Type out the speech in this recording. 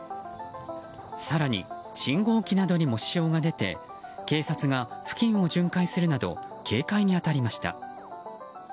更に、信号機などにも支障が出て警察が付近を巡回するなど警戒に当たりました。